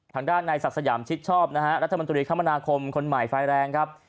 ทางด้านในศักดิ์สยามชิดชอบนะฮะรัฐมนตรีคมนาคมคนใหม่ไฟแรงครับ